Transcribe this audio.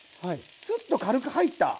スッと軽く入った。